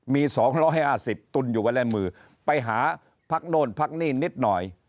มี๒๕๐ตุนอยู่ไว้ในมือไปหาพักโน่นพักนี่นิดหน่อย